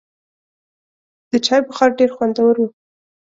د چای بخار ډېر خوندور و.